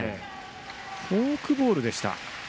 フォークボールでした。